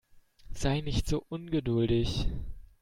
Sei nicht so ungeduldig.